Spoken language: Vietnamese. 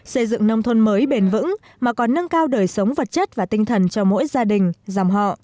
xây dựng nông thôn mới bền vững mà còn nâng cao đời sống vật chất và tinh thần cho mỗi gia đình dòng họ